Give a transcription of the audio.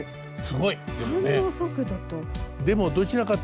反応速度と。